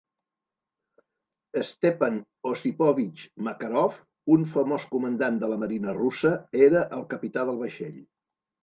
Stepan Osipovich Makarov, un famós comandant de la marina russa, era el capità del vaixell.